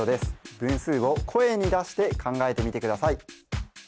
分数を声に出して考えてみてください